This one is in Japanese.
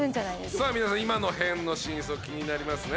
さあ皆さん今の変の真相気になりますね